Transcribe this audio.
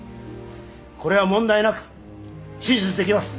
これは問題なく手術できます。